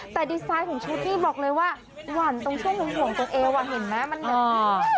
แต่ดีไซน์ของชุดนี่บอกเลยว่าหวั่นตรงช่วงห่วงตัวเองอ่ะเห็นไหมมันเหนือ